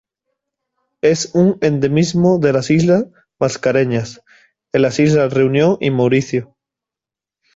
Es un endemismo de las Islas Mascareñas, en las islas Reunión y Mauricio.